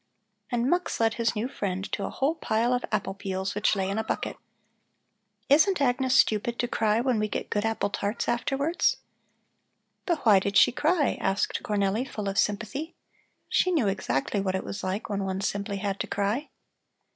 And Mux led his new friend to a whole pile of apple peels which lay in a bucket. "Isn't Agnes stupid to cry when we get good apple tarts afterwards." "But why did she cry?" asked Cornelli, full of sympathy. She knew exactly what it was like when one simply had to cry.